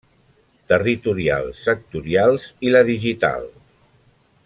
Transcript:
Territorials, Sectorials i la Digital.